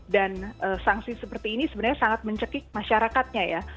dan sanksi seperti ini sebenarnya sangat mencekik masyarakatnya ya